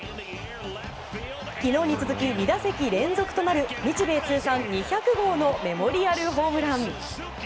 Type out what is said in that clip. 昨日に続き２打席連続となる日米通算２００号のメモリアルホームラン。